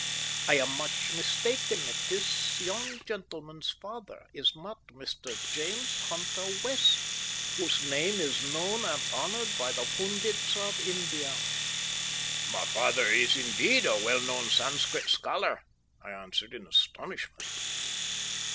I am much mistaken if this young gentleman's father is not Mr. James Hunter West, whose name is known and honoured by the pundits of India." "My father is, indeed, a well known Sanscrit scholar," I answered in astonishment.